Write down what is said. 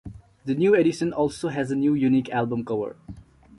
The new edition also has a new unique album cover.